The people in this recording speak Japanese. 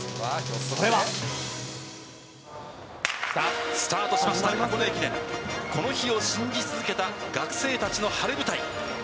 それは。スタートしました、箱根駅伝、この日を信じ続けた学生たちの晴れ舞台。